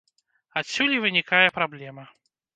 Адсюль і вынікае праблема.